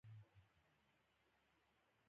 د ننګرهار باغونه زیتون دي